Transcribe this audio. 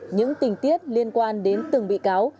những tình tiết liên quan đến từng bị cáo